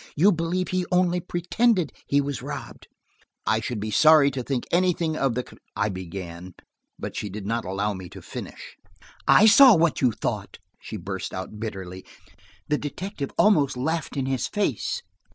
You believe he only pretended he was robbed!" "I should be sorry to think anything of the kind," I began. But she did not allow me to finish. "I saw what you thought," she burst out bitterly. "The detective almost laughed in his face.